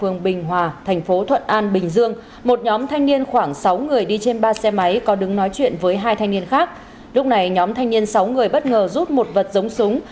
nhóm thanh niên sáu người bất ngờ rút một vật giống súng